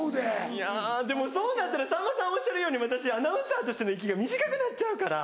いやでもそうなったらさんまさんおっしゃるように私アナウンサーとしての息が短くなっちゃうから。